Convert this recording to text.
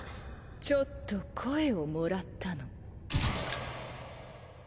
ちょっと声をもらったの。